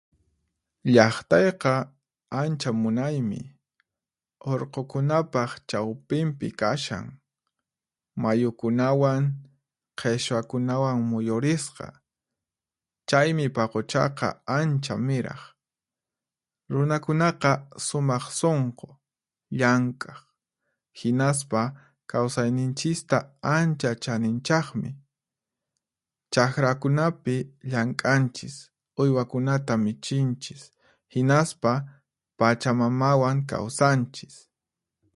Llaqtayqa ancha munaymi, urqukunapaq chawpinpi kashan. Mayukunawan, qhishwakunawan muyurisqa, chaymi paquchaqa ancha miraq. Runakunaqa sumaq sunqu, llank'aq, hinaspa kawsayninchista ancha chaninchaqmi. Chaqrakunapi llank'anchis, uywakunata michinchis, hinaspa pachamamawan kawsanchis.